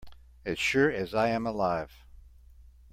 As sure as I am alive.